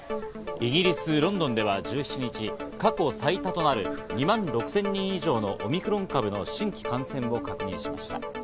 イギリス・ロンドンでは１７日、過去最多となる２万６０００人以上のオミクロン株の新規感染を確認しました。